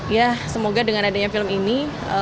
ya semoga dengan adanya film ini